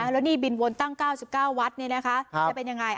แล้วนี่บินวนตั้ง๙๙วัดจะเป็นยังไง